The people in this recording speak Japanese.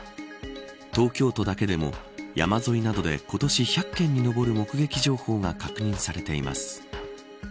東京都だけでも山沿いなどで今年１００件に上る目撃情報が確認されています。